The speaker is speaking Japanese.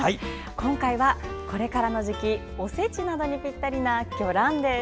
今回は、これからの時期おせちなどにぴったりな魚卵です。